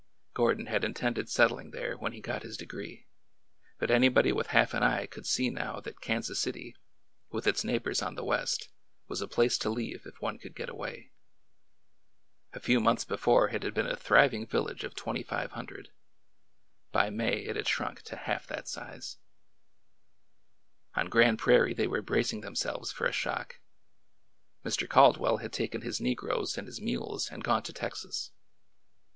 Gordon had intended settling there when he got his de gree, but anybody with half an eye could see now that Kansas City, with its neighbors on the west was a place to leave if one could get away. A few months before it TRAMP, TRAMP, TRAMP!" 187 had been a thriving village of 2500. By May it had shrunk to half that size. On Grand Prairie they were bracing themselves for a shock. Mr. Caldwell had taken his negroes and his mules and gone to Texas.